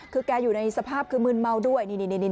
คือแกอยู่ในสภาพคือมืนเมาด้วยนี่